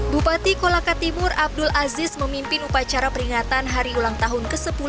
bupati kolaka timur abdul aziz memimpin upacara peringatan hari ulang tahun ke sepuluh